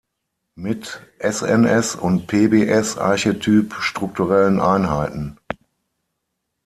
Mit SnS und PbS archetyp strukturellen Einheiten“.